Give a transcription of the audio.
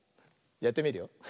やってみるよ。